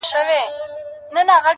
یا به نن یا به سباوي زه ورځمه،